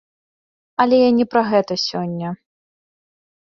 Але я не пра гэта сёння.